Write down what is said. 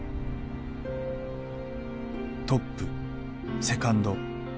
トップ・セカンド・ラスト。